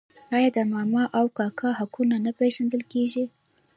آیا د ماما او کاکا حقونه نه پیژندل کیږي؟